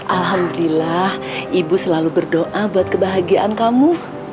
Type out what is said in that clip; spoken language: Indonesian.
alhamdulillah ibu selalu berdoa buat kebahagiaan kamu